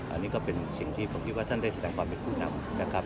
อันนี้ก็เป็นสิ่งที่ผมคิดว่าท่านได้แสดงความเป็นผู้นำนะครับ